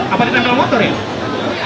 apa ditempel motor ya